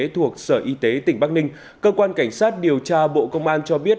thuộc sở y tế tỉnh bắc ninh cơ quan cảnh sát điều tra bộ công an cho biết